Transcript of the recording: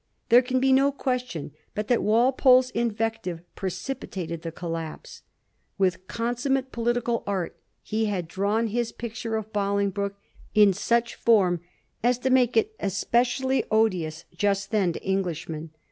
There can be no question but that Walpole's invective precipitated the collapse. With consummate political art he had drawn his picture of Bolingbroke in such form as to make it especially odious just then to Englishmen.